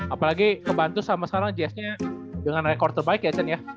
apalagi kebantu sama sekarang jazz nya dengan rekor terbaik ya cend ya